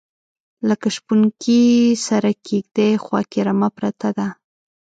لکه شپونکي سره کیږدۍ خواکې رمه پرته ده